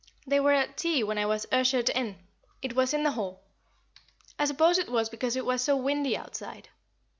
They were at tea when I was ushered in; it was in the hall I suppose it was because it was so windy outside.